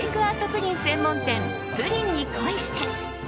プリン専門店プリンに恋して。